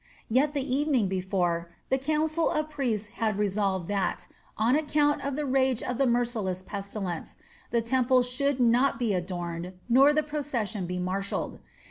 Yet, the evening before, the council of priests had resolved that, on account of the rage of the merciless pestilence, the temple should not be adorned nor the procession be marshalled.